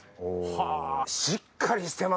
はぁしっかりしてますね。